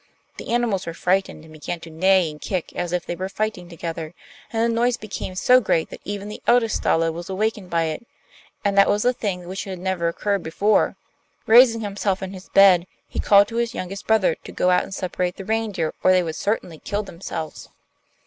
The animals were frightened, and began to neigh and kick, as if they were fighting together, and the noise became so great that even the eldest Stalo was awakened by it, and that was a thing which had never occurred before. Raising himself in his bed, he called to his youngest brother to go out and separate the reindeer or they would certainly kill themselves.